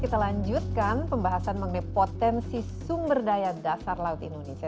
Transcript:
kita lanjutkan pembahasan mengenai potensi sumber daya dasar laut indonesia